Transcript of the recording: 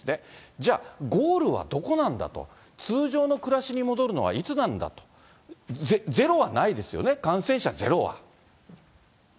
じゃあ、ゴールはどこなんだと、通常の暮らしに戻るのはいつなんだと、ゼロはないですよね、感染者ゼロは。